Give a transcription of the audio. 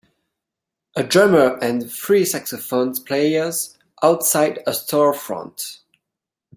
A drummer and three saxophones players outside a storefront.